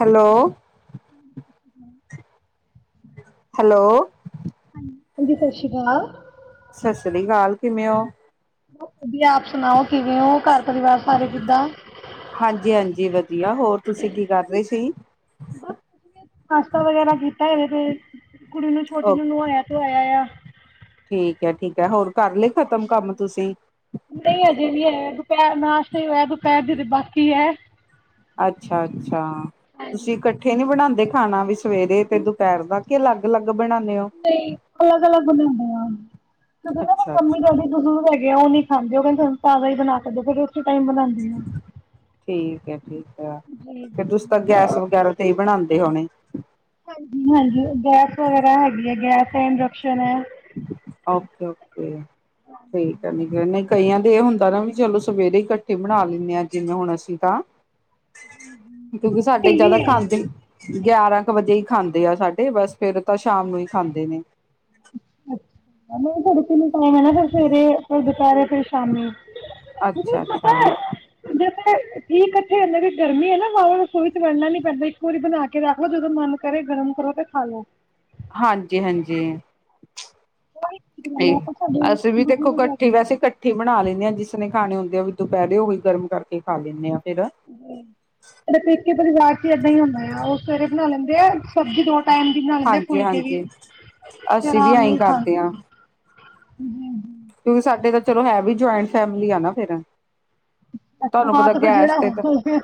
Hello. [unintelligible] Hello. ਹਾਂਜੀ ਸਸ ਰੀ ਕਾਲ। ਸਸ ਰੀ ਕਾਲ ਕਿਵੇਂ ਓ? ਬਸ ਵਧੀਆ ਆਪ ਸੁਣਾਓ ਕਿਵੇਂ ਓ। ਘਰ ਪਰਿਵਾਰ ਸਾਰੇ ਕਿੱਦਾਂ? ਹਾਂਜੀ, ਹਾਂਜੀ ਵਧੀਆ ਹੋਰ ਤੁਸੀਂ ਕੀ ਕਰਦੇ ਸੀ। ਬਸ ਨਾਸ਼ਤਾ ਵਗੈਰਾ ਕੀਤਾ ਏ ਹਜੇ, ਤੇ ਕੁੜੀ ਨੂੰ ਛੋਟੀ ਓ ਨੂੰ ਨੁਹਾਇਆ-ਤੁਆਇਆ ਆ। ਠੀਕ ਏ, ਠੀਕ ਏ, ਹੋਰ ਕਰ ਲਏ ਖਤਮ ਕੰਮ ਤੁਸੀਂ? ਨਹੀਂ ਅਜੇ ਵੀ ਹੈ। ਦੁਪਹਿਰ ਨਾਸ਼ਤਾ ਹੀ ਹੋਇਆ, ਦੁਪਹਿਰ ਦੀ ਤੇ ਬਾਕੀ ਐ। ਅੱਛਾ-ਅੱਛਾ। ਤੁਸੀਂੱ ਕਡ ਠੇ ਨੀਂ ਬਣਾਂਦੇ ਖਾਣਾ ਵੀ ਸਵੇਰੇ ਤੇ ਦੁਪਹਿਰ ਦਾ, ਕੀ ਅਲੱਗ-ਅਲੱਗ ਬਣਾਉਂਨੇ ਔ? ਨਈਂ ਅਲੱਗ-ਅਲੱਗ ਬਣਾਉਂਦੇ ਆ। ਜੋਂ ਨਾਂ ਅੱਛਾ ਅੱਛਾ ਮੰਮੀ ਡੈਡੀ ਨੁ ਲੈ ਗਿਆ ਉਹ ਨੀ ਖਾਂਦੇ ਉਹ ਕਹਿੰਦੇ ਹੁਣ ਤਾਜਾ ਹੀ ਬਣਾ ਕੇ ਦੇ। ਫਿਰ ਉਸੀ ਟਾਈਮ ਬਨਾਂਦੇ ਆਂ। ਠੀਕ ਐ, ਠੀਕ ਐ। ਜੀ ਜੀ ਫਿਰ ਤੁਸੀ ਤਾਂ ਗੈਸ ਵਗੈਰਾ ਤੇ ਈ ਬਣਾਉਂਦੇ ਹੋਣੇ? ਹਾਂਜੀ, ਹਾਂਜੀ। ਗੈਸ ਵਗੈਰਾ ਹੈਗੀ ਐ, ਗੈਸ ਐ, ਇੰਡਕਸ਼ਨ ਐਂ। ਓਕੇ-ਓਕੇ ਠੀਕ ਐ ਨੀ ਫ ਨੀਂ ਕਈਆਂ ਦੇ ਇਹ ਹੁੰਦਾ ਨਾਂ ਵੀ ਚਲੋ ਸਵੇਰੇ ਇਕੱਠੇ ਬਣਾ ਲੈਂਣੇ ਆਂ, ਜਿਵੇਂ ਹੁਣ ਅਸੀਂ ਤਾਂ [unintelligible] ਕਿਉਂਕਿ ਸਾਡੇ ਟੀਵੀ ਜਿਆਦਾ ਹੈ ਖਾਂਦੇ [unintelligible] ਗਿਆਰਾਂ ਕੁ ਵਜੇ ਈ ਖਾਂਦੇ ਆ ਸਾਡੇ। ਬਸ ਫੇਰ ਤਾਂ ਸ਼ਾਮ ਨੂੰ ਹੀ ਖਾਂਦੇ ਨੇਂ। ਨਹੀਂ ਤੁਹਾਡੇ ਕਿਨ ਟਾਈਮ ਐ ਨਾਂ ਫਿਰ ਸਵੇਰੇ, ਫਿਰ ਦੁਪਹਿਰੇ, ਫੇਰ ਸ਼ਾਮੀ। ਅੱਛਾ, ਅੱਛਾ। ਜ-ਅਤੇ ਜੀ ਕੱਠੇ ਇਂਦੀ ਗਰਮੀ ਐ ਨਾਂ, ਵਾਵ ਰਸੋਈ ਚ ਵਣਣਾ ਨੀ ਪੈਂਦਾ। ਇੱਕੋ ਵਾਰੀ ਬਣਾ ਕੇ ਕੇ ਰਾਖ ਲੋ। ਜਦੋਂ ਮਨ ਕਰੇ ਗਰਮ ਕਰੋ ਤੇ ਖਾ ਲੋ। ਹਾਂਜੀ, ਹਾਂਜੀ। ਉਹੀ ਠੀਕ ਠੀ ਰਹਿੰਦਾ ਆਪਾਂ ਸਾਡੇ ਅਸੀਂ ਵੀ ਦੇਖੋ ਬਜ਼ੁਰਗ ਕੱਠੀ ਹੈਗੇ ਆ ਵੈਸੇ ਕੱ ਠੀ ਬਣਾ ਲੈਂਨੇ ਆਂ, ਜਿਸਨੇ ਖਾਣੇ ਹੁੰਦੇ ਆ ਵੀ ਦੁਪੈਰੇ ਓਹੀ ਗਰਮ ਕਰਕੇ ਖਾ ਲੀਨੇ ਆ ਫਿਰ। ਤੇ ਪੇਕੇ ਪਰਿਵਾਰ ਚ ਏਦਾਂ ਈ ਹੁੰਦਾ ਐ। ਉਹ ਸਵੇਰੇ ਬਣਾ ਲੈਂਦੇ। ਸਬਜ਼ੀ ਦੋ ਟੇਮ ਦੀ ਬਨਾਂ ਲੈਂਦੇ ਫੁਲਕੇ ਵੀ, ਹਾਂਜੀ-ਹਾਂਜੀ ਤੇ ਅਸੀਂ ਵੀ ਆਰਾਮ ਨਾਲ ਐਈ ਈ ਖਾਂ ਕਰਦੇ ਹਾਂ। [unintelligible] ਹਂ, ਹਂ। ਕਿਉਂਕਿ ਸਾਡੇ ਤਾਂ ਚਲੋ ਹੈ ਵੀ ਜੁਆਇੰਟ ਫੈਮਿਲੀ ਆ ਨਾਂ ਫੇਰ ਤੁਹਾਨੂੰ ਹਾਂ ਪਤਾ ਤੇ ਫਿਰ ਗੈਸ ਜਿਹੜਾ ਤੇ ਤਾਂ, ਹੋ ਗਿਆ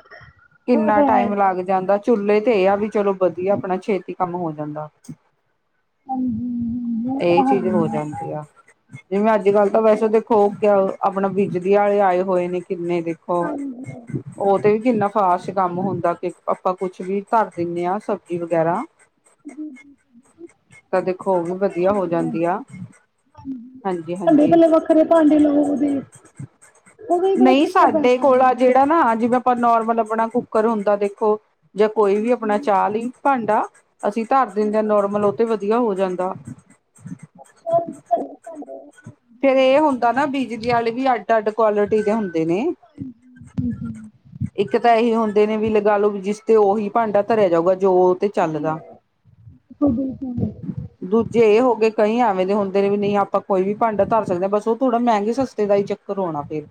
ਉਹ ਕਿੰਨਾ ਤਾਂ ਹੈ ਟਾਈਮ ਹੀ ਆ। ਲੱਗ ਜਾਂਦਾ। ਚੁੱਲੇ ਤੇ ਇਹ ਆ ਵੀ ਚਲੋ ਵਧੀਆ ਆਪਣਾ ਛੇਤੀ ਕੰਮ ਹੋ ਜਾਂਦਾ। ਹਾਂਜੀ ਉਹ ਇਹ ਤਾਂ ਹੈ ਚੀਜ਼ ਹੀ ਹੋ ਜਾਂਦੀ ਆ। ਜਿਵੇਂ ਅੱਜ ਕੱਲ੍ਹ ਤਾਂ ਵੈਸੇ ਦੇਖੋ ਕਾ-ਆਪਣਾ ਬਿਜਲੀ ਵਾਲੇ ਆਏ ਹੋਏ ਨੇ ਕਿੰਨੇ ਦੇ। ਹਾਂਜੀ ਉਹ-ਉਹ ਤੇ ਵੀ ਕਿੰਨਾ ਖਾਸ ਕੰਮ ਹੁੰਦਾ ਕਿ ਆਪਾਂ ਕੁਛ ਵੀ ਕਰ ਦਿੰਦੇ ਹਾਂ ਸਬਜ਼ੀ ਵਗੈਰਾ। ਤਾਂ ਦੇਖੋ ਉਹ ਵੀ ਵਧੀਆ ਹੋ ਹਾਂਜੀ, ਜਾਂਦੀ ਆ। ਭਾਂਡੇ ਹਾਂਜੀ-ਹਾਂਜੀ। ਇਕੱਲੇ ਵੱਖਰੇ ਭਾਂਡੇ ਲੋਕਦੇ। ਉਹਦਾ ਈ ਬੜਾ ਚੱਕਰ ਬੈਠਣਾ ਹੈਗਾ ਹੈ। ਜਿਹੜਾ ਤੇਨਾ। ਆ ਜਿਵੇਂ ਆਪਾਂ ਨੋਰਮਲ ਆਪਣਾ ਕੁੱਕਰ ਹੁੰਦਾ, ਦੇਖੋ ਜਾਂ ਕੋਈ ਵੀ ਆਪਣਾ ਚਾਹ ਲਈ ਭਾਂਡਾ ਅਸੀਂ ਧਰ ਦੇਨਦੇ ਹਾਂ। ਨੋਰਮਲ ਉਹ ਤੇ ਵਧੀਆ ਹੋ ਜਾਂਦਾ। [unintelligible] ਤੇ ਇਹ ਹੁੰਦਾ ਨਾ ਬੀਜ ਨੀ ਹਲੇ ਵੀ ਅੱਡ -ਅੱਡ ਕੁਆਲਿਟੀ ਦੇ ਹੁੰਦੇ ਨੇ। ਹਮ-ਹਮ। ਇੱਕ ਤਾਂ ਇਹ ਹੀ ਹੁੰਦੇ ਨੇ ਵੀ ਲਗਾ ਲਓ ਵੀ ਜਿਸ ਤੇ ਉਹੀ ਭਾਂਡਾ ਧਰਿਆ ਜਾਊਗਾ। ਜੋ ਤੇ ਚੱਲਦਾ। ਬਿਲਕੁਲ ਦੂਜੇ ਇਹ ਹੋ ਗਏ ਕਈ ਐਵੇਂ ਦੇ ਹੁੰਦੇ ਨੇ ਵੀ ਨਹੀਂ ਆਪਾਂ ਕੋਈ ਵੀ ਭਾਂਡਾ ਧਰ ਸਕਦੇ ਹਾਂ, ਬਸ ਉਹ ਥੋੜ੍ਹਾ ਮਹਿੰਗੇ ਸਸਤੇ ਦਾ ਹੀ ਚੱਕਰ ਹੋਣਾ ਫੇਰ।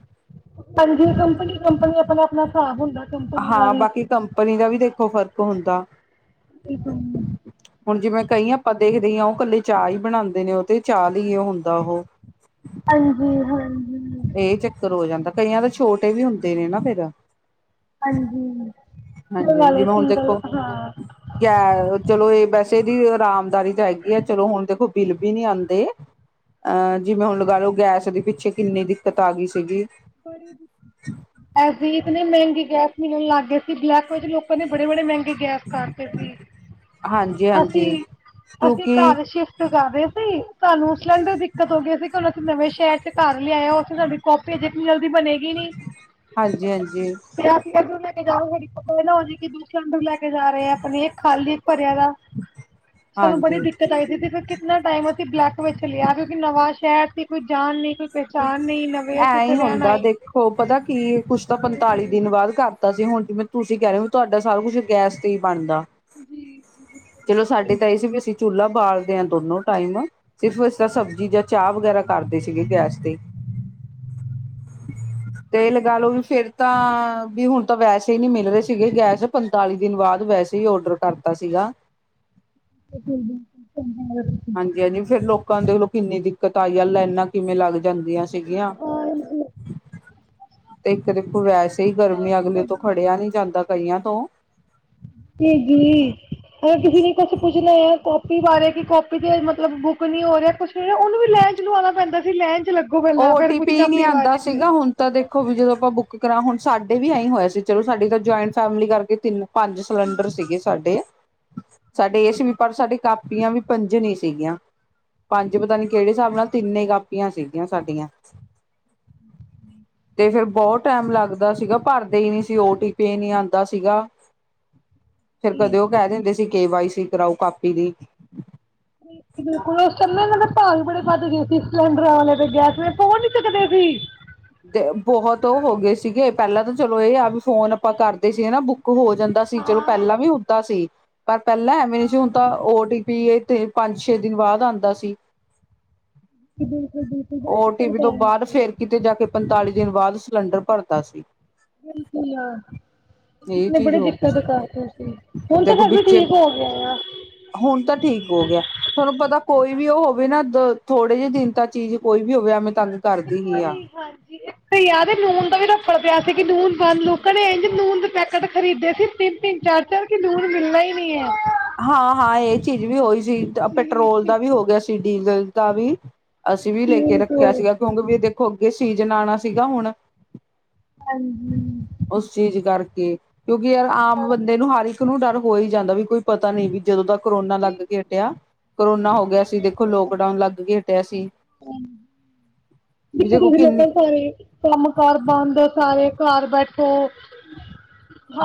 ਹਾਂਜੀ। ਕੰਪਨੀ- ਕੰਪਨੀ ਆਪਣਾ-ਆਪਣਾ ਹਿਸਾਬ ਹੁੰਦਾ। ਕੰਪਨੀਆਂ ਦਾ ਹਾਂ। ਵੀ ਬਾਕੀ ਕੰਪਨੀ ਦਾ ਵੀ ਦੇਖੋ ਫ਼ਰਕ ਹੁੰਦਾ। ਏਕਮ ਹੁਣ ਜਿਵੇਂ ਕਈ ਆਪਾਂ ਦੇਖਦੇ ਹੀ ਹਾਂ, ਉਹ ਇਕੱਲੇ ਚਾਹ ਹੀ ਬਣਾਉਂਦੇ ਨੇ। ਉਹ ਤੇ ਚਾਹ ਲਈ ਏ ਹੁੰਦਾ। ਉਹ ਹਾਂਜੀ-ਹਾਂਜੀ। ਇਹ ਚੱਕਰ ਹੋ ਜਾਂਦਾ। ਕਈਆਂ ਤਾਂ ਛੋਟੇ ਵੀ ਹੁੰਦੇ ਨੇ ਨਾ ਫੇਰ। ਹਾਂਜੀ। ਹਾਂਜੀ ਹਾਂਜੀ ਵਾਲੇ ਜਿਵੇਂ ਹੁਣ ਸਿੰਗਲ ਦੇਖੋ ਹਾਂ। ਚਲੋ, ਇਹ ਵੈਸੇ ਇਹਦੀ ਆਰਾਮਦਾਰੀ ਤਾਂ ਹੈਗੀ ਹੈ। ਚਲੋ ਹੁਣ ਦੇਖੋ, ਬਿੱਲ ਵੀ ਨੀ ਆਉਂਦੇ। ਅਹ ਜਿਵੇਂ ਹੁਣ ਲਗਾ ਲਓ ਗੈਸ ਦੇ ਪਿੱਛੇ ਕਿੰਨੀ ਕਿਤਾ ਗਈ ਸੀਗੀ। ਐ ਦੀ ਇਤਨੇ ਮਹਿੰਗੇ ਗੈਸ ਮਿਲਣ ਲੱਗ ਗਏ ਸੀ। ਬਲੈਕ ਵਿੱਚ ਲੋਕਾਂ ਨੇ ਬੜੇ -ਬੜੇ ਮਹਿੰਗੇ ਗੈਸ ਕਰਦੇ ਸੀ ਅਸੀਂ। ਹਾਂਜੀ-ਹਾਂਜੀ ਅਸੀਂ ਕਿਉਂਕਿ ਘਰ ਸ਼ਿਫ ਜਾਗਵੇ ਸੀ ਸਾਨੂੰ ਉਸ ਸੇ੍ਲੇੰਡਰ ਦਿੱਕਤ ਹੋ ਗਈ ਸੀ ਕਿ ਉਹ ਨਵੇਂ ਸ਼ਹਿਰ ਚ' ਘਰ ਲਿਆ ਆਏ। ਉੱਥੇ ਨਵੀਂ ਕਾਪੀ ਏਨੀ ਜਲਦੀ ਬਣੇਗੀ ਨੀ। ਹਾਂਜੀ-ਹਾਂਜੀ, ਫਿਰ ਅਸੀਂ ਕੱਦੋਂ ਲੈ ਕੇ ਜਾਓ, ਹੈਡੀ ਪਤਾ ਇਹ ਨਾ ਹੋ ਜ ਕਿ ਦ ਸਿਲੰਡਰ ਲੈ ਕੇ ਜਾ ਰਹੇ ਆ ਆਪਣੀ ਖਾਲੀ ਪਰਿਆ ਦਾ। ਸਾਨੂੰ ਹਾਂਜੀ ਬੜੀ ਹਾਂਜੀ ਦਿੱਕਤ ਆਈ ਸੀ। ਤੇ ਫਿਰ ਇਨਾ ਟਾਈਮ ਅਸੀਂ ਬਲੈਕ ਵਿੱਚ ਲਿਆ ਕਿਉਂਕਿ ਨਵਾਂ ਸ਼ਹਿਰ ਦੀ ਕੋਈ ਜਾਨ ਨਹੀਂ ਕੋਈ ਪਹਿਚਾਣ ਨਹੀਂ। ਨਵੇਂ ਅਸੀ ਹੋ ਪਤਾ ਕੀ ਕੁਛ ਤਾਂ ਪੰਤਾਲੀ ਦਿਨ ਬਾਅਦ ਕਰਤਾ ਸੀ। ਹੁਣ ਜਿਵੇਂ ਤੁਸੀਂ ਕਹਿ ਰਹੇ ਹੋ ਤੁਹਾਡਾ ਸਾਰਾ ਕੁਛ ਗੈਸ ਬਣਦਾ। ਜੀ ਚਲੋ ਸਾਡੇ ਬਿਲਕੁਲ ਤਾਂ ਇਹ ਸੀ ਵੀ ਅਸੀਂ ਚੁ੍ਹਾ ਬਾਲਦੇ ਹਾਂ ਦੋਨੋ ਟਾਈਮ। ਸਿਰਫ ਇਸ ਤਰ ਸਬਜ਼ੀ ਜਾਂ ਚਾਹ ਵਗੈਰਾ ਕਰਦੇ ਸੀਗੇ ਗੈਸ। ਤੇ। [inaudible] ਤੇ ਲਗਾ ਲਓ ਵੀ ਫੇਰ ਤਾਂ, ਵੀ ਹੁਣ ਤਾਂ ਵੈਸੇ ਹੀ ਨਹੀਂ ਮਿਲ ਰਹੇ ਸੀਗੇ ਗੈਸ। ਪੰਤਾਲੀ ਦਿਨ ਬਾਅਦ ਵੈਸੇ ਹੀ ਔਡਰ ਕਰਤਾ ਸੀਗਾ। [unintelligible] ਹਾਂਜੀ ਹਾਂਜੀ। ਫੇਰ ਲੋਕਾਂ ਦੇ ਵਲੋਂ ਕਿੰਨੀ ਦਿੱਕਤ ਆਈ ਆ। ਲਾਈਨਾਂ ਕਿਵੇਂ ਲੱਗ ਜਾਂਦੀਆਂ। ਸੀਗੀਆਂ। ਹਾਂ ਤੇ ਇੱਕ ਦੇਖੋ ਵੈਸ ਸਹੀ ਗਰਮੀ ਅਗਲੇ ਤੋਂ ਖੜਿਆ ਨਹੀਂ ਜਾਂਦਾ ਕਈਆਂ ਤੋਂ। ਤੇ ਜੀ। ਕਿਸੀ ਨੇ ਕੁਛ ਪੁੱਛਣਾ ਆ। ਕਾਪੀ ਬਾਰੇ ਕਿ ਕਾਪੀ ਦੇ ਮਤਲਬ ਬੁੱਕ ਨੀ ਹੋ ਰਿਹਾ। ਕੁਛ ਉਹਨੂੰ ਵੀ ਲਾਈਨ ਚੇ ਲਵਾਉਣਾ ਪੈਂਦਾ ਸੀ ਲਾਈਨ ਚੇ ਲੱਗੋ ਪਹਿਲਾਂ ਓ ਫੇਰ ਟੀ ਕੁਛ ਨਾ ਪੀ ਨਹੀਂ ਆਪਣੀ ਆਂਦਾ ਬਾਰੀ ਚ' ਸੀਗਾ ਹੁਣ ਤਾਂ ਦੇਖੋ ਵੀ ਜਦੋਂ ਆਪਾਂ ਬੁੱਕ ਕਰਾਂ ਹੁਣ ਸਾਡੇ ਵੀ ਆਈ ਹੋਇਆ ਸੀ ਚਲੋ ਸਾਡੀ ਤਾਂ ਜੁਆਇੰਟ ਫੈਮਿਲੀ ਕਰਕੇ ਤਿੰਨ ਪੰਜ ਸਿਲੰਡਰ ਸੀਗੇ। ਸਾਡੇ- ਸਾਡੇ ਸੀ ਵੀ ਪਰ ਸਾਡੇ ਕਾਪੀਆਂ ਵੀ। ਪੰਜ ਨੀ ਸੀਗੀਆਂ। ਪੰਜ ਪਤਾ ਨੀ ਕਿਹੜੇ ਹਿਸਾਬ ਨਾਲ ਤਿੰਨੇ ਕਾਪੀਆਂ ਸੀ। ਸਾਡੀਆਂ ਤੇ ਫਿਰ ਬਹੁਤ ਟਾਈਮ ਲੱਗਦਾ ਸੀਗਾ ਭਰਦੇ ਹੀ ਨਹੀਂ ਸੀ ਓਟੀ ਪੀ ਨਹੀਂ ਆਉਂਦਾ ਸੀਗਾ ਫਿਰ ਜੀ ਕਦੇ ਉਹ ਕਹਿ ਦਿੰਦੇ ਸੀ ਕੇ ਵਾਈ ਸੀ ਕਰਾਓ ਕਾਪੀ ਦੀ ਬਿਲਕੁਲ ਉਸ ਸਮੇਂ ਇਹਨਾਂ ਦੇ ਭਾ ਬੜੇ ਵੱਧ ਗਏ ਸੀ ਸਿਲੰਡਰਾਂ ਵਾਲੇ ਤੇ ਗੈਸ ਪੋ ਨੀ ਸਕਦੇ ਸੀ ਤੇ ਬਹੁਤ ਉਹ ਹੋ ਗਏ ਸੀਗੇ ਪਹਿਲਾਂ ਤਾਂ ਚਲੋ ਇਹ ਆ ਵੀ ਫੋਨ ਆਪਾਂ ਕਰਦੇ ਸੀਗੇ ਨਾ ਬੁੱਕ ਹੋ ਜਾਂਦਾ ਸੀ ਚਲੋ ਹਾਂ। ਪਹਿਲਾਂ ਵੀ ਹੁੰਦਾ ਸੀ ਪਰ ਪਹਿਲਾਂ ਐਵੇਂ ਨਹੀਂ ਸੀ ਹੁਣ ਤਾਂ ਓ ਟੀ ਪੀ ਤੇ ਪੰਜ ਛੇ ਦਿਨ ਬਾਅਦ ਆਉਂਦਾ ਸੀ ਬਿਲਕੁਲ ਬਿਲਕੁਲ ਬੜੀ ਓ ਟੀ ਦਿੱਕਤ ਪੀ ਪੈ ਤੋਂ ਰਹੀ ਬਾਅਦ ਸੀ। ਫੇਿਰ ਕਿਤੇ ਜਾ ਕੇ ਪੰਤਾਲੀ ਦਿਨ ਬਾਅਦ ਸਿਲੰਡਰ ਭਰਦਾ ਸੀ ਬਿਲਕੁ ਆ ਇਹ ਨੇ ਚੀਜ਼ ਬੜੀ ਹੋ ਗਈ ਦਿੱਕਤ ਸੀ ਕਰਦੇ ਸੀ ਹੁਣ ਤਾਂ ਦੇਖੋ ਫਿਰ ਵੀ ਵਿੱਚੇ ਠੀਕ ਹੋ ਗਏ ਆ ਹੁਣ ਤਾਂ ਠੀਕ ਹੋ ਗਿਆ ਤੁਹਾਨੂੰ ਪਤਾ ਕੋਈ ਵੀ ਉਹ ਹੋਵੇ ਨਾ ਥੋੜੇ ਜਿਹੇ ਦਿਨ ਤੱਕ ਚੀਜ਼ ਕੋਈ ਵੀ ਹੋਵੇਵੇਂ ਤੁਹਾਨੂੰ ਇੱਕ ਵਾਰੀ ਹਾਂਜੀ ਇੱਕ ਯਾਦ ਨੂਨ ਦਾ ਵੀ ਰੱਫੜ ਪਿਆ ਸੀ ਕਿ ਨੂਨ ਬੰਨ ਲੋ ਘਣੇੇਜ ਨੂਨ ਦੇ ਪੈਕੇਟ ਖਰੀਦੇ ਸੀ ਤਿੰਨ ਤਿੰਨ ਚਾਰ ਚਾਰ ਕਿ ਲੂਨ ਮਿਲਣਾ ਹੀ ਨੀ ਹੈ ਹਾਂ ਹਾਂ ਇਹ ਚੀਜ਼ ਵੀ ਹੋਈ ਸੀ ਪੈਟਰੋਲ ਜੀ ਦਾ ਵੀ ਹੋ ਗਿਆ ਸੀ ਡੀਜ਼ਲ ਦਾ ਵੀ ਅਸੀਂ ਵੀ ਲੈ ਕੇ ਰੱਖਿਆ ਬਿਲਕੁਲ ਸੀਗਾ ਕਿਉਂਕਿ ਵੀ ਦੇਖੋ ਅੱਗੇ ਸੀਜਨ ਆਉਣਾ ਸੀਗਾ ਹੁਣ ਹਾਂਜੀ ਉਸ ਚੀਜ਼ ਕਰਕੇ ਕਿਉਂਕਿ ਯਾਰ ਆਮ ਬੰਦੇ ਨੂੰ ਹਰ ਇੱਕ ਨੂੰ ਡਰ ਹੋ ਹੀ ਜਾਂਦਾ ਵੀ ਕੋਈ ਪਤਾ ਨੀ ਵੀ ਜਦੋਂ ਦਾ ਕਰੋਨਾ ਲੱਗ ਕੇ ਹਟਿਆ ਕਰੋਨਾ ਹੋ ਗਿਆ ਗਿਆ ਸੀ ਦੇਖੋ ਲੋਕਡਾਊਨ ਲੱਗ ਕੇ ਹਟਿਆ ਸੀ ਵੀ ਦੇਖੋ ਕਿੰਨੀ ਸ [unintelligible] ਕੰਮ ਕਾਰ ਬੰਦ ਸਾਰੇ ਘਰ ਬੈਠੋ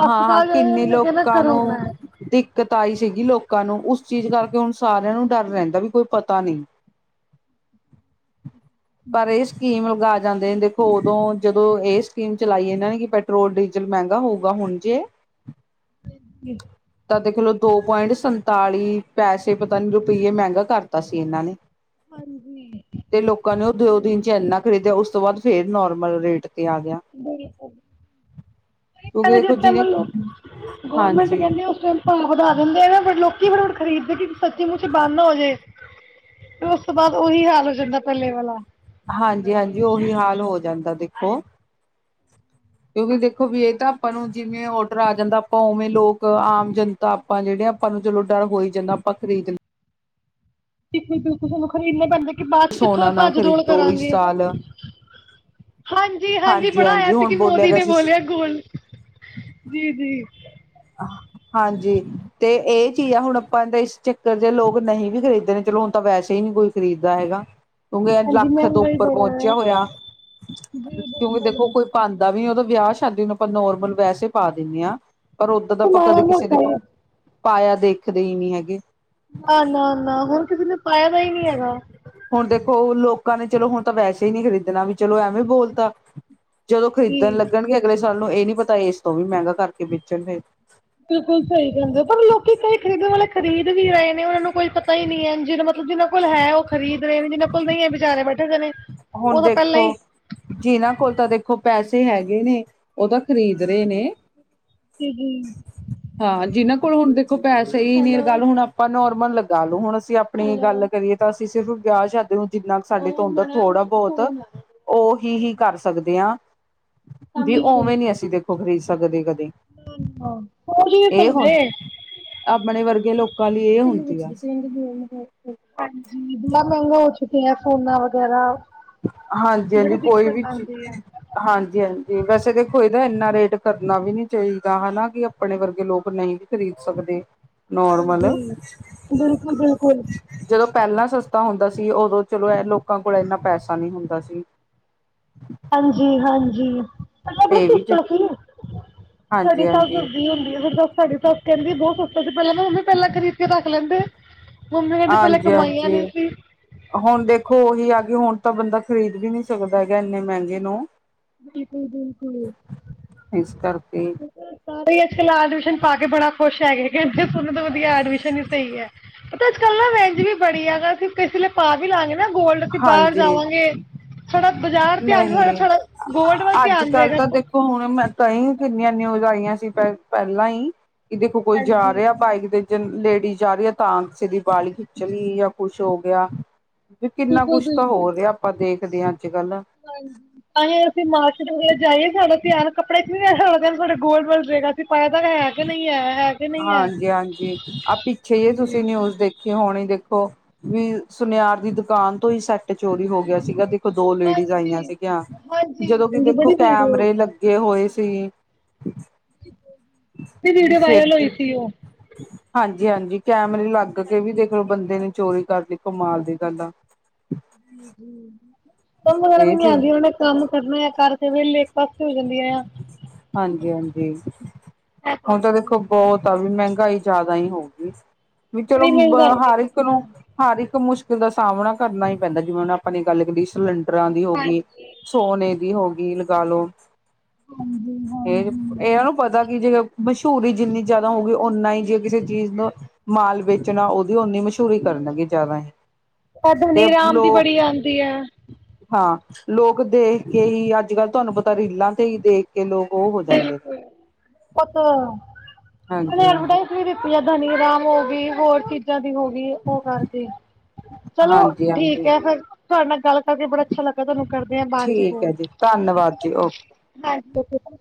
ਹਾਂ ਹਾਂ ਕਿੰਨੇ ਕਹਦਾ ਲੋਕਾਂ ਨੂੰ ਕਰੋਨਾ ਹੈ ਦਿੱਕਤ ਆਈ ਸੀਗੀ ਲੋਕਾਂ ਨੂੰ ਉਸ ਚੀਜ਼ ਕਰਕੇ ਹੁਣ ਸਾਰਿਆਂ ਨੂੰ ਡਰ ਰਹਿੰਦਾ ਵੀ ਕੋਈ ਪਤਾ ਨਹੀਂ ਪਰ ਇਹ ਸਕੀਮ ਲਗਾ ਤੀ ਜਾਂਦੇ ਨੇ ਦੇਖੋ ਉਦੋਂ ਜਦੋਂ ਇਹ ਸਕੀਮ ਚਲਾਈ ਇਹਨਾਂ ਨੇ ਕਿ ਪੈਟਰੋਲ ਡੀਜ਼ਲ ਮਹਿੰਗਾ ਹੋਊਗਾ ਹੁਣ ਜੇ [unintelligible] ਤਾਂ ਦੇਖਲੋ ਦੋ ਪੁਆਇੰਟ ਸੰਤਾਲੀ ਪੈਸੇ ਪਤਾ ਨੀ ਰੁਪਈਏ ਮਹਿੰਗਾ ਕਰਤਾ ਸੀ ਇਹਨਾਂ ਨੇ ਹਾਂਜੀ ਤੇ ਲੋਕਾਂ ਨੇ ਉਹ ਦੋ ਤਨ ਚ ਇੰਨਾ ਖਰੀਦਿਆ ਉਸ ਤੋਂ ਬਾਅਦ ਫੇਰ ਨੋਰਮਲ ਰੇਟ ਤੇ ਆ ਗਿਆ ਬਿਲੁਲੁ ਕਿਉਂਕਿ ਦੇਖੋ ਜਿਸ ਜਿਹਨੇ ਟਾਈਮਲ ਗੌਰਮੈਂਟ ਹਾਂਜੀ ਕਹਿੰਦੇ ਉਸ ਟਾਈਮ ਭ ਵਧਾ ਦਿੰਦੇ ਨਾ ਲੋਕੀ ਬੁਣ ਖਰੀਦਦੇ ਕਿ ਸੱਚੀ ਮੁੱਚੇ ਬੰਦ ਨਾ ਹੋ ਜੇ ਫਿਰ ਉਸ ਤੋਂ ਬਾਅਦ ਉਹੀ ਹਾਲ ਹੋ ਜਾਂਦਾ ਪੱਲੇ ਵਾਲਾ ਹਾਂਜੀ ਹਾਂਜੀ ਉਹੀ ਹਾਲ ਹੋ ਜਾਂਦਾ ਦੇਖੋ ਕਿਉਂਕਿ ਦੇਖੋ ਵੀ ਇਹ ਤਾਂ ਆਪਾਂ ਨੂੰ ਜਿਵੇਂ ਔਡਰ ਆ ਜਾਂਦਾ ਆਪਾਂ ਉਵੇਂ ਲੋਕ ਆਮ ਜਨ ਤਾਂ ਆਪਾਂ ਜਿਹੜੇ ਆਪਾਂ ਨੂੰ ਚਲੋ ਡਰ ਹੋ ਹੀ ਜਾਂਦਾ ਆਪਾਂ ਖਰੀ ਜਾਂਦੇ ਟਿਫ ਬਿਲਕਲ ਸਾਨੂੰ ਖਰੀਦਣਾ ਪੈਂਦਾ ਕਿ ਬਾਅਦ ਚ ਕਿੱਥੋਂ ਸੋਨਾ ਨਾ ਭੱਜ ਰੋਲ ਖਰੀਦੋ ਇਸ ਕਰਾਂਗੇ ਸਾਲ ਹਾਂਜੀ ਹਾਂਜੀ ਬਣਾਇਆ ਸੀ ਹੁਣ ਕਿ ਬੋਲਿਆ ਮੋਦੀ ਗਿਆ ਨੇ ਸੀ ਬੋਲਿਆ ਗੋਲ ਜੀ ਜੀ ਆਹ ਹਾਂਜੀ ਤੇ ਇਹ ਚੀਜ਼ ਆ ਹੁਣ ਆਪਾਂ ਤਾਂ ਇਸ ਚੱਕਰ ਜ ਲੋਕ ਨਹੀਂ ਵੀ ਖਰੀਦੇ ਨੇ ਚਲੋ ਹੁਣ ਤਾਂ ਵੈਸੇ ਹੀ ਨੀ ਕੋਈ ਖਰੀਦਦਾ ਹੈਗਾ ਕਿਉਂਕਿ ਹਾਂਜੀ ਲੱਖ ਤੋਂ ਮਹਿੰਗਾਈ ਉੱਪਰ ਬੜਾ ਹੈ ਪਹੁੰਚਿਆ ਹੋਇਆ ਜੀ ਕਿਉਂਕਿ ਦੇਖੋ ਬਿਲਕੁਲ ਕੋਈ ਪਾਉਂਦਾ ਵੀ ਉਹਦੋਂ ਵਿਆਹ ਸ਼ਾਦੀ ਨੂੰ ਆਪਾਂ ਨੋਰਮਲ ਵੈਸੇ ਪਾ ਦਿੰਦੇ ਹਾਂ ਪਰ ਉਦਾਂ ਦਾ ਆਪਾਂ ਮਾੜਾ ਕਦੇ ਕਿਸੇ ਨੇ ਮੋਟਾ ਈ ਪਾਇਆ ਦੇਖਦੇ ਹੀ ਨਹੀਂ ਹੈਗੇ ਨਾ ਨਾ ਨਾ ਹੁਰ ਕਿਸੇ ਨੇ ਪਾਇ ਤਾਂ ਹੀ ਨਹੀਂ ਹੈਗਾ ਹੁਣ ਦੇਖੋ ਲੋਕਾਂ ਨੇ ਚਲੋ ਹੁਣ ਤਾਂ ਵੈਸੇ ਹੀ ਨਹੀਂ ਖਰੀਦਣਾ ਵੀ ਚਲੋ ਐਵੇਂ ਬੋਲਤਾ ਜਦੋਂ ਜੀ ਖਰੀਦਣ ਲੱਗਣਗੇ ਅਗਲੇ ਸਾਲ ਨੂੰ ਇਹ ਨੀ ਪਤਾ ਇਸ ਤੋਂ ਵੀ ਮਹਿੰਗਾ ਕਰਕੇ ਵੇਚਣਗੇ ਬਿਲਕੁਲ ਸਹੀ ਕਹਿੰਦੇ ਪਰ ਲੋਕੀ ਕਈ ਖਰੀਦਣ ਵਾਲੇ ਖਰੀਦ ਵੀ ਰਹੇ ਨੇ ਉਹਨਾਂ ਨੂੰ ਕੋਈ ਪਤਾ ਹੀ ਨਹੀਂੀ ਹੈ ਜਿਹਬ ਜਿਨਾਂ ਕੋਲ ਹੈ ਉਹ ਖਰੀਦ ਰਹੇ ਨੇ ਜਿਨਾਂ ਕੋਲ ਨਹੀਂ ਹੈ ਵਿਚਾਰੇ ਬੈਠੇ ਗ ਨੇ ਹੁਣ ਉਹ ਤਾਂ ਪਹਿਲਾਂ ਹੀ ਦੇਖੋ- ਜਿਨਾਂ ਕੋਲ ਤਾਂ ਦੇਖੋ ਪੈਸੇ ਹੈਗੇ ਨੇ, ਉਹ ਤਾਂ ਖ਼ਰੀਦ ਰਹੇ ਨੇ। [unintelligible] ਹਾਂ, ਜਿਹਨਾਂ ਕੋਲ ਹੁਣ ਦੇਖੋ ਪੈਸੇ ਹੀ ਨੀ ਗੱਲ ਹੁਣ ਆਪਾਂ ਨੋਰਮਲ ਲਗਾ ਲਓ ਹੁਣ ਅਸੀਂ ਆਪ ਆਪਣੀ ਗੱਲ ਕਰੀਏ ਤਾਂ ਅਸੀਂ ਸਿਰਫ ਵਿਆਹ ਸ਼ਾਦੇ ਨੂੰ ਜਿੰਨਾ ਕੁ ਸਾਡੇ ਤੋਂ ਅੰਦਰ ਥੋੜ੍ਹਾ ਬਹੁਤ, ਉਹੀ ਹੀ ਕਰ ਸਕਦੇ ਹਾਂ। ਵੀ ਉਵੇਂ ਨੀ ਅਸੀਂ ਦੇਖੋ ਖ਼ਰੀਦ ਸਕਦੇ ਕਦੇ ਹੋਰ ਜ ਨਹੀਂ ਇਹ ਹੁਣ ਸਕਦੇ। ਆਪਣੇ ਵਰਗੇ ਲੋਕਾਂ ਲਈ ਇਹ ਹੁੰਦੀ ਆ। ਹਾਂਜੀ, ਬੜਾ ਮਹਿੰਗਾ ਹੋ ਚੁੱਕਿਆ ਸੋਨਾ ਵਗੈਰਾ ਹਾਂਜੀ ਹਾਂਜੀ। ਬੜੀ ਕੋਈ ਵੀ ਦਿੱਕਤ ਚੀ ਆਉਂਦੀ ਹੈ ਹਾਂਜੀ ਹਾਂਜੀ। ਵੈਸੇ ਦੇਖੋ ਇਹਦਾ ਇੰਨਾ ਰੇਟ ਕਰਨਾ ਵੀ ਨੀ ਚਾਹੀਦਾ ਹਨਾ ਕਿ- ਆਪਣੇ ਵਰਗੇ ਲੋਕ ਨਹੀਂ ਵੀ ਖ਼ਰੀਦ ਸਕਦੇ, ਨੋਰਮਲ- ਹਾਂਜੀ ਬਿਲਕੁਲ ਬਿਲਕੁਲ ਜਦੋਂ ਪਹਿਲਾਂ ਸਸਤਾ ਹੁੰਦਾ ਸੀ ਉਦੋਂ ਚਲੋ ਇਹ ਲੋਕਾਂ ਕੋਲ ਇੰਨਾ ਪੈਸਾ ਨਹੀਂ ਹੁੰਦਾ ਸੀ। ਹਾਂਜੀ ਹਾਂਜੀ। ਆਪਣਾ ਇਹ ਵੀ ਚ ਸਿਸਟਰ ਸੀ ਸਾਡੀ ਹਾਂਜੀ ਸੱਸ ਹਾਂਜੀ ਦਸਦੀ ਹੁੰਦੀ ਆ ਫਿਰ ਦੱਸ ਸਾਡੀ ਸੱਸ ਕਹਿੰਦੀ ਬਹੁਤ ਸਸਤਾ ਸੀ, ਪਹਿਲਾਂ ਮ ਮੰਮੀ ਪਹਿਲਾਂ ਖਰੀਦ ਕੇ ਰੱਖ ਲੈਂਦੇ। ਮੰਮੀ ਕਹਿੰਦੇ ਪਹਿਲਾਂ ਹਾਂਜੀ ਕਮਾਈਆਂ ਨੀ ਹਾਂਜੀ ਸੀ ਹੁਣ ਦੇਖੋ ਉਹੀ ਆ ਗ ਹੁਣ ਤਾਂ ਬੰਦਾ ਖਰੀਦ ਵੀ ਨਹੀਂ ਸਕਦਾ ਹੈਗਾ ਇੰਨੇ ਮਹਿੰਗੇ ਨੂੰ, ਬਿਲਕੁਲ ਬਿਲਕੁਲ ਇਸ ਕਰਕੇ ਸਾਰੇ ਅੱਜ ਕਲ ਆਰਟੀਫਿਸ਼ਲ ਪਾ ਕੇ ਬੜਾ ਖੁਸ਼ ਹੈਗੇ ਕਹਿੰਦੇ ਸੋਨੇ ਤੋਂ ਵਧੀਆ ਆਰਟੀਫਿਸ਼ਲ ਹੀ ਸਹੀ ਹੈ ਪਤਾ ਅੱਜ ਕੱਲ੍ਹ ਨਾ ਵੇਜ ਵੀ ਬੜੀ ਹੈਗਾ ਅਸੀਂ ਕਿਸੇ ਵੇਲੇ ਪਾ ਵੀ ਲਾਾਂਗੇ ਨਾ ਗੋਲਡ, ਅਸੀਂ ਬਾਹਰ ਹਾਂਜੀ ਜਾਵਾਂਗੇ ਥੋੜਾ ਬਾਜ਼ਾਰ ਧਿਆਨ, ਨਹੀਂ ਥੋੜਾ- ਗੋਲਡ ਵੱਲ ਅੱਜ ਧਿਆਨ ਕੱਲ ਤਾਂ ਰਹੇਗਾ ਦੇਖੋ ਹੁਣ ਮੈਂ ਤਾਂ ਹੀ ਕਿੰਨੀਆਂ ਨਿਊਜ਼ ਆਈਆਂ ਸੀ ਪ ਪਹਿਲਾਂ ਹੀ ਕਿ ਦੇਖੋ ਕੋਈ ਜਾ ਹਾਂਜੀ ਰਿਹਾ ਬਾਈਕ ਦੇ ਜ ਲੇਡੀ ਜਾ ਰਹੀ ਹੈ ਤਾਂ ਕਿਸੇ ਦੀ ਬਾਲੀ ਖਿੱਚ ਲਈ ਜਾਂ ਕੁਛ ਹੋ ਗਿਆ। ਵੀ ਕਿੰਨਾ ਕੁਛ ਤਾਂ ਹੋਰ ਰਿਹਾ ਆਪਾਂ ਦੇਖਦੇ ਹਾਂ ਅੱਜ ਕੱਲ ਹਾਂਜੀ। ਤਾਂਸੀਂ ਅਸੀਂ ਮਾਰਕੀਟ ਵਗੈਰਾ ਜਾਈਏ ਸਾਡੇ ਧਿਆਨ ਕੱਪੜਿਆ ਵਿਚ ਨੀ ਰਹੇਗਾ ਸਾਡੇ ਗੋਲਡ ਵਲ ਰਏਗਾ। ਪਾਇਆ ਤਾਂ ਹੈ ਕਿ ਨਹੀਂ ਹੈ ਹੈ ਕਿ ਨਹੀਂ ਹੈ ਹਾਂਜੀ ਹਾਂਜੀ, ਆਪ ਪਿੱਛੇ ਹੀ ਹੈ ਤੁਸੀਂ ਨਿਊਜ਼ ਦੇਖ ਖੀ ਹਣੀ ਦੇਖੋ ਵੀ ਸੁਨਿਆਰ ਦੀ ਦੁਕਾਨ ਤੋਂ ਹੀ ਸੈੱਟ ਚੋਰੀ ਹੋ ਗਿਆ ਸੀਗਾ- ਦੋ ਲੇਡੀਜ਼ ਆਈਆਂ ਸੀਗੀਆਂ। ਜਦੋਂ ਕਿ ਹਾਂਜੀ ਦੇਖੋ ਬੜੀ ਵੀਡੀਓ ਕੈਮਰੇ ਲੱ ਗੇ ਹੋਏ ਸੀ। ਬੜੀ ਵੀਡੀਓ ਫਿਰ ਵਾਇਰਲ ਹੋਈ ਸੀ ਉਹ ਹਾਂਜੀ ਹਾਂਜੀ ਕੈਮਰੇ ਲੱਗ ਕੇ ਵੀ ਦੇਖ ਲਓ ਬੰਦੇ ਨੇ ਚੋਰੀ ਕਰ ਲਈ ਕਮਾਲ ਦੀ ਗਲ ਆ- ਕੰਮ ਵਗੈਰਾ ਵੀ ਇਹ ਨੀ ਸੀ ਆਉਂਦੀ ਉਹ ਨੇ ਕੰਮ ਕੱਰਨਾ ਆ ਕਰ ਕੇ ਵੇਲੇ ਇੱਕ ਪਾਸੇ ਹੋ ਜਾਂਦੀਆਂ। ਹਾਂਜੀ ਹਾਂਜੀ। ਹੁਣ ਤਾਂ ਦੇਖੋ ਬਹੁਤ ਤਾਂ ਵੀ ਮਹਿੰਗਾਈ ਜ਼ਿਆਦਾ ਹੀ ਹੋਊਗੀ, ਵੀ ਚਲੋ ਬੜੀ ਮਹਿੰਗਾਈ ਹਰ ਇੱਕ ਨੂੰ ਹਰ ਇੱਕ ਮੁਸ਼ਕਿਲ ਦਾ ਸਾਹਮਣਾ ਕਰਨਾ ਹੀ ਪੈਂਦਾ ਜਿਵੇਂ ਹੁਣ ਆਪਾਂ ਨੇ ਗੱਲ ਕਰੀਏ ਸਿਲੰਡਰਾਂ ਦੀ ਹੋ ਗਈ, ਸੋਨੇ ਦੀ ਹੋ ਗਈ, ਲਗਾ ਲੋ ਇਹ ਇਹ ਨਾ ਪਤਾ ਕਿ ਜੇ ਮਸ਼ਹੂਰੀ ਜਿੰਨੀ ਜ਼ਿਆਦਾ ਹੋ ਗਈ ਉਓਨਾ ਹੀ ਜੇ ਕਿਸੇ ਚੀਜ਼ ਨੂੰ ਮਾਲ ਵੇਚਣਾ ਉਹਦੀ ਓਨੀ ਮਸ਼ ਚੂਰੀ ਕਰਨਗੇ ਜ਼ਦਾ ਆ ਤੇ ਧਨੀ ਰਾਮ ਦੀ ਲੋਕ, ਬੜੀ ਆਉਂਦੀ ਹੈ ਹਾਂ, ਲੋਕ ਦੇਖ ਕੇ ਹੀ ਅੱਜ ਕੱਲ੍ਹ ਤੁਹਾਨੂੰ ਪਤਾ ਰੀਲਾਂ ਤੇ ਹੀ ਦੇਖ ਕੇ ਲੋਕ ਉਹ ਹੋ ਜਾਂਦੇ। ਉਹ ਉਹਨਾ ਹਾਂਜੀ ਹਾਂਜੀ ਐਡਵਰਟਾਈਜ਼ ਵੀ ਦਿੱਤੀ ਆ ਧਨੀ ਰਾਮ ਉਹ ਵੀ ਹੋਰ ਚੀਾਂ ਜ਼ਾਂ ਦੀ ਹੋ ਗਈ। ਉਹ ਕਰਕੇ ਚਲੋ ਹਾਂਜੀ ਠੀਕ ਹਾਂਜੀ ਹੈ, ਫਿਰ ਤੁਹਾਡੇ ਨਾਲ ਗੱਲ ਕਰਕੇ ਬੜਾ ਅੱਛਾ ਲੱਗਾ ਤੁਹਾਨੂੰ ਕਰਦੇ ਆ ਬਾਅਦ ਚ ਠੀਕ ਹੈ ਕੋਲ। ਜੀ ਧੰਨਵਾਦ ਜੀ ਓਕੇ ਹਾਂਜੀ।